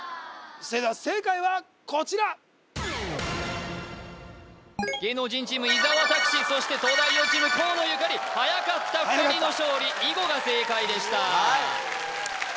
それでは正解はこちら芸能人チーム伊沢拓司そして東大王チーム河野ゆかりはやかった２人の勝利囲碁が正解でした